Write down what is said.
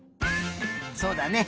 そうだね